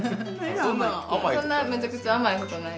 そんなめちゃくちゃ甘いことない。